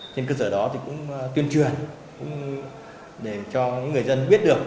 trên cơ sở đó cũng tuyên truyền để cho những người dân biết được